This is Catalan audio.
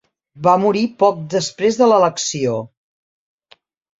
Va morir poc després de l'elecció.